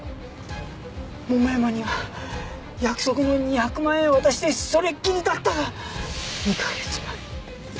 桃山には約束の２００万円を渡してそれっきりだったが２カ月前に。